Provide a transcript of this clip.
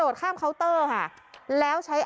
อัศวินธรรมชาติ